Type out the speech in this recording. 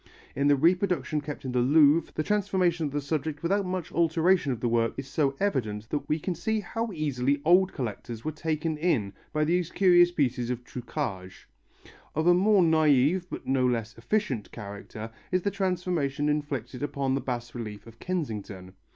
In the reproduction kept in the Louvre the transformation of the subject without much alteration of the work is so evident that we can see how easily old collectors were taken in by these curious pieces of truquage. Of a more naive, but no less efficient character is the transformation inflicted upon the bas relief of Kensington.